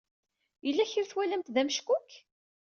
Yella kra ay twalamt d ameckuk?